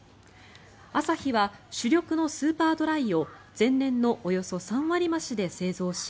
アサヒは主力のスーパードライを前年のおよそ３割増しで製造し